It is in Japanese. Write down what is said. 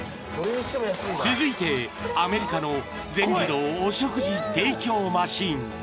［続いてアメリカの全自動お食事提供マシン］